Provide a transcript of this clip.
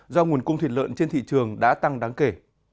do nguồn cung thịt lợn trên thị trường đã tăng đáng kể